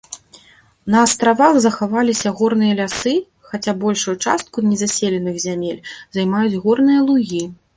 На астравах захаваліся горныя лясы, хаця большую частку незаселеных зямель займаюць горныя лугі.